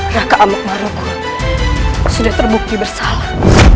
raka amat marokku sudah terbukti bersalah